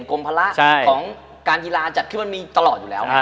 เรียนกลมภาระของการฮีลาจัดขึ้นมันมีตลอดอยู่แล้ว